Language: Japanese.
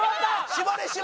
絞れ！